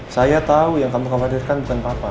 saya tau yang kamu khawatirkan bukan papa